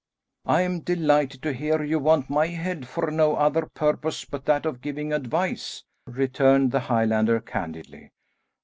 "I am delighted to hear you want my head for no other purpose but that of giving advice," returned the Highlander candidly.